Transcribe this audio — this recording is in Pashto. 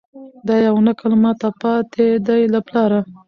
دا یو نکل ماته پاته دی له پلاره